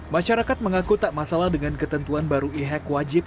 masyarakat mengaku tak masalah dengan ketentuan baru e hack wajib